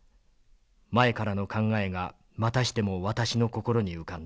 前からの考えがまたしても私の心に浮かんだ。